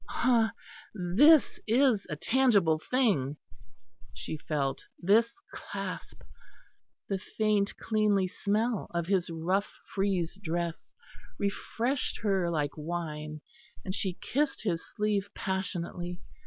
Ah! this is a tangible thing, she felt, this clasp; the faint cleanly smell of his rough frieze dress refreshed her like wine, and she kissed his sleeve passionately.